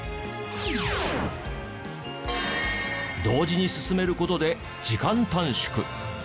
同時に進める事で時間短縮。